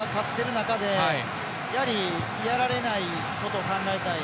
１点、勝っている中でやられないことを考えたい。